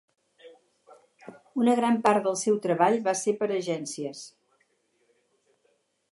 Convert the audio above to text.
Una gran part del seu treball va ser per agències.